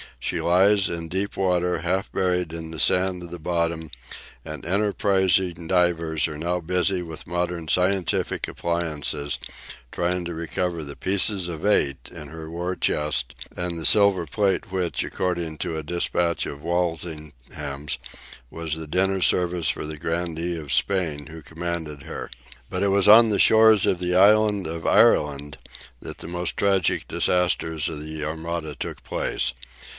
She lies in deep water, half buried in the sand of the bottom, and enterprising divers are now busy with modern scientific appliances trying to recover the "pieces of eight" in her war chest, and the silver plate which, according to a dispatch of Walsingham's, was the dinner service of the "Grandee of Spain" who commanded her. But it was on the shores of the "island of Ireland" that the most tragic disasters of the Armada took place.